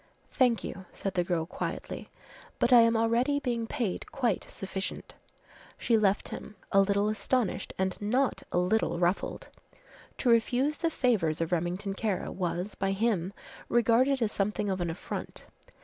"Thank you," said the girl quietly, "but I am already being paid quite sufficient." She left him, a little astonished and not a little ruffled. To refuse the favours of Remington Kara was, by him, regarded as something of an affront.